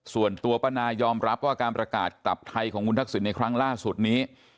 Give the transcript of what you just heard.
ส่วนตัวป้านายอมรับว่าการประกาศกลับไทยของคุณทักษิณในครั้งล่าสุดนี้